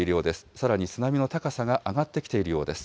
さらに津波の高さが上がってきているようです。